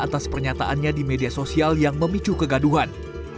atas pernyataannya di media sosial yang memicu kegaduhan